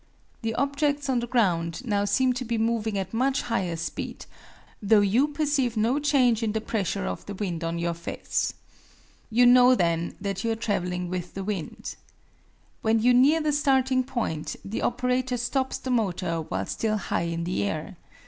The objects on the ground now seem to be moving at much higher speed, though you perceive no change in the pressure of the wind on your face. You know then that you are traveling with the wind. When you near the starting point the operator stops the motor while still high in the air.